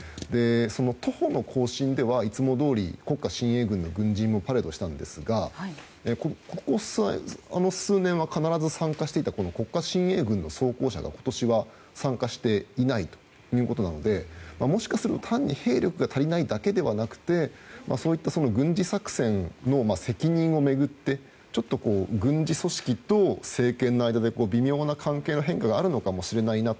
徒歩の行進ではいつもどおり国家親衛軍の軍人もパレードしたんですがここ数年は必ず参加していた国家親衛軍の装甲車が今年は参加していないということなのでもしかすると単に兵力が足りないだけではなくてそういった軍事作戦の責任を巡ってちょっと軍事組織と政権の間で微妙な関係の変化があるのかもしれないな